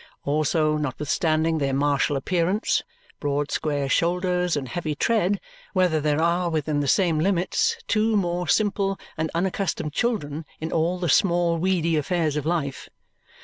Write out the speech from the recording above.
Also, notwithstanding their martial appearance, broad square shoulders, and heavy tread, whether there are within the same limits two more simple and unaccustomed children in all the Smallweedy affairs of life.